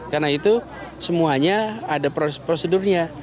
karena itu semuanya ada prosedurnya